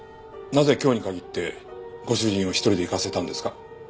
なぜ今日に限ってご主人を１人で行かせたんですか？